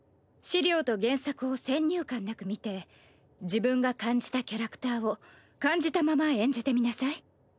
資料と原作を先入観なく見て自分が感じたキャラクターを感じたまま演じてみなさい。